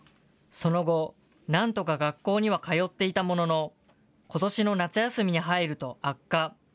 その後、なんとか学校には通っていたものの、ことしの夏休みに入ると悪化。